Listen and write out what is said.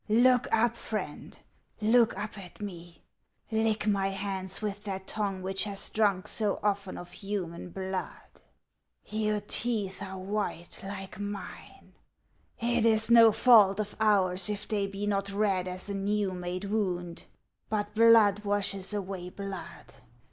Look up, Friend, look up at me ; lick my hands with that tongue which has drunk so often of human blood. Your teeth are white like mine : it is no fault of ours if they be not red as a new made wound ; but blood washes away blood.